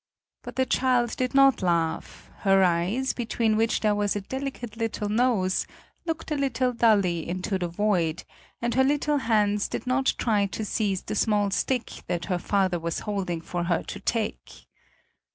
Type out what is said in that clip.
But the child did not laugh; her eyes, between which there was a delicate little nose, looked a little dully into the void, and her little hands did not try to seize the small stick that her father was holding for her to take.